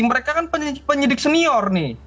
mereka kan penyidik senior nih